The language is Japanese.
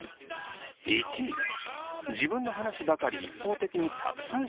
１位自分の話ばかり一方的にたくさんしているとき。